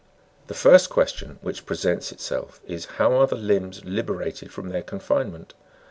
The first question which presents itself, is, how are the limbs liberated from their confinement?